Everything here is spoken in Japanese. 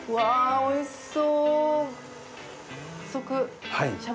おいしそう。